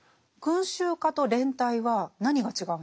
群衆化と連帯は何が違うんですか？